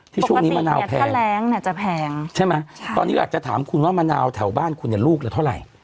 ที่ช่วงนี้มะนาวแพงตอนนี้อาจจะถามคุณว่ามะนาวแถวบ้านคุณอย่างลูกละเท่าไหร่